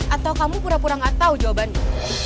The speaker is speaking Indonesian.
atau kamu pura pura gak tahu jawabannya